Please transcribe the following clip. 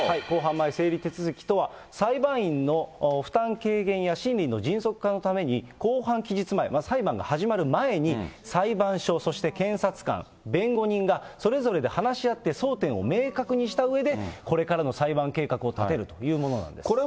公判前整理手続きとは、裁判員の負担軽減や審理の迅速化のために公判期日前、裁判が始まる前に裁判所、そして検察官、弁護人がそれぞれで話し合って争点を明確にしたうえで、これからの裁判計画を立てるというものなんです。